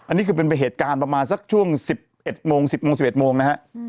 อันนี้คือเป็นเหตุการณ์ประมาณสักช่วง๑๑โมง๑๐โมง๑๑โมงนะฮะ